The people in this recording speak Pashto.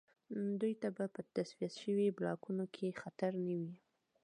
دوی ته به په تصفیه شویو بلاکونو کې خطر نه وي